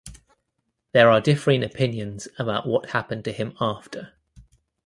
There are differing opinions about what happened to him after.